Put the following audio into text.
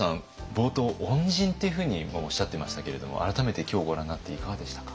冒頭恩人っていうふうにもおっしゃってましたけれども改めて今日ご覧になっていかがでしたか？